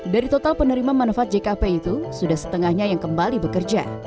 dari total penerima manfaat jkp itu sudah setengahnya yang kembali bekerja